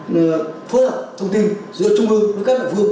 là phối hợp thông tin giữa trung ương với các địa phương